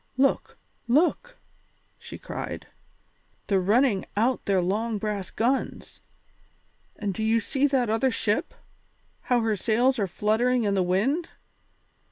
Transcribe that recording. Look! look!" she cried, "they're running out their long brass guns; and do you see that other ship, how her sails are fluttering in the wind?